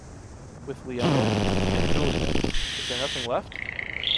with Leonor. And Julia? Is there nothing left?